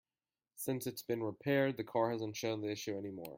Since it's been repaired, the car hasn't shown the issue any more.